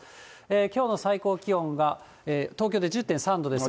きょうの最高気温が東京で１０．３度ですが。